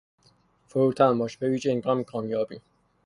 فروتن باش به ویژه هنگام کامیابی.